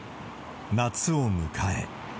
夏を迎え。